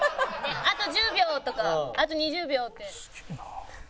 あと１０秒とかあと２０秒って。